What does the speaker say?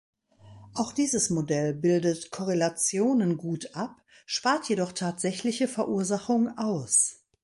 Auch dieses Modell bildet Korrelationen gut ab, spart jedoch tatsächliche Verursachung aus.